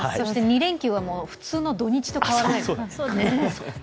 ２連休は普通の土日と変わらないです。